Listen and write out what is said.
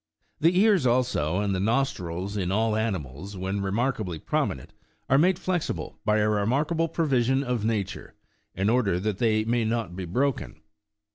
The ears also, and the nostrils in all animals, when remarkably prominent, are made flexible by a remarkable provision of Nature, in order that they may not be broken.